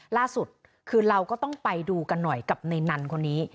ล่าสุดคือเราก็ต้องไปดูกันหน่อยกับในนั้นคนนี้